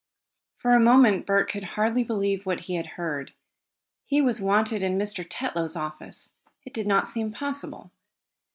For a moment Bert could hardly believe what he had heard. He was wanted in Mr. Tetlow's office! It did not seem possible.